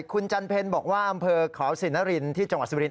คุณจันเพลย์บอกว่าอำเภอขอสิรินรินที่จังหวัดสิบิลิน